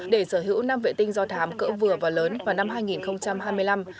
để sở hữu năm vệ tinh do thám cỡ vừa và lớn vào năm hai nghìn hai mươi năm